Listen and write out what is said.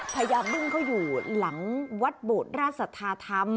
พญาบึ้งเขาอยู่หลังวัดโบดราชสัทธาธรรม